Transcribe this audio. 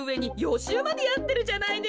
しゅうまでやってるじゃないですか。